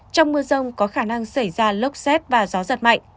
trong mưa rông có khả năng xảy ra lốc xét và gió giật mạnh